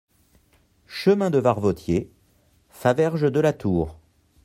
Chemin de Varvotier, Faverges-de-la-Tour